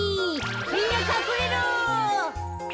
みんなかくれろ。